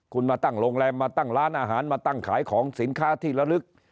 คุณมาตั้งโรงแรมมาตั้งร้านอาหารมาตั้งขายของสินค้าที่ละลึก